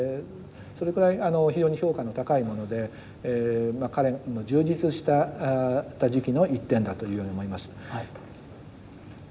それくらい非常に評価の高いもので彼の充実していた時期の１点だというように思います。